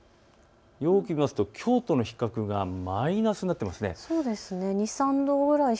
よく見るときょうとの比較がマイナスになっていますね。